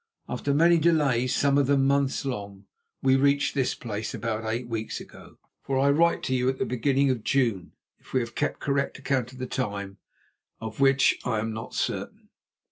After many delays, some of them months long, we reached this place, about eight weeks ago, for I write to you at the beginning of June, if we have kept correct account of the time, of which I am not certain.